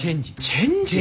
チェンジ！？